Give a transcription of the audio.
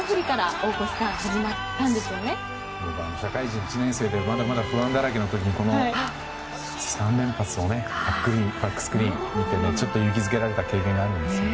僕は社会人１年生でまだまだ不安だらけの時にこの３連発をバックスクリーンへちょっと勇気づけられた経験があります。